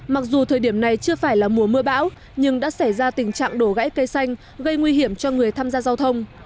mặc dù thời điểm này chưa phải là mùa mưa bão nhưng đã xảy ra tình trạng đổ gãy cây xanh gây nguy hiểm cho người tham gia giao thông